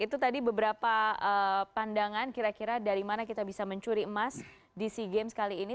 itu tadi beberapa pandangan kira kira dari mana kita bisa mencuri emas di sea games kali ini